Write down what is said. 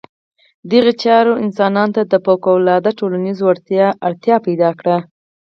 دغې چارې انسانانو ته د فوقالعاده ټولنیزو وړتیاوو اړتیا پیدا کړه.